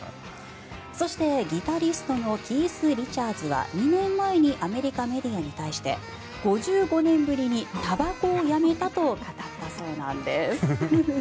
そして、ギタリストのキース・リチャーズは２年前にアメリカメディアに対して５５年ぶりにたばこをやめたと語ったそうです。